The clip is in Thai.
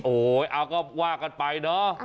โอ้โหเอาก็ว่ากันไปเนอะ